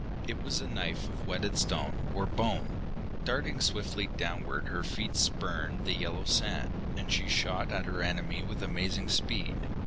It was a knife of whetted stone or bone. Darting swiftly downward her feet spurned the yellow sand, and she shot at her enemy with amazing speed.